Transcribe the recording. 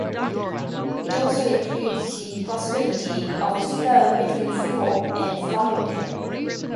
It also includes the possibility of a spur between Freehold and Farmingdale.